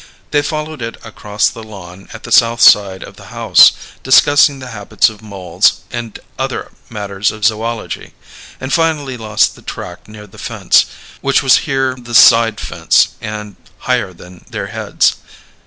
They followed it across the lawn at the south side of the house, discussing the habits of moles and other matters of zoölogy; and finally lost the track near the fence, which was here the "side fence" and higher than their heads.